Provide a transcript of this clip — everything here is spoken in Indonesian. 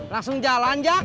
langsung jalan jak